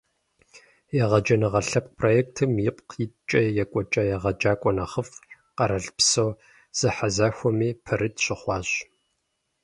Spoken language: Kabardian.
«Егъэджэныгъэ» лъэпкъ проектым ипкъ иткӀэ екӀуэкӀа «егъэджакӀуэ нэхъыфӀ» къэралпсо зэхьэзэхуэми пэрыт щыхъуащ.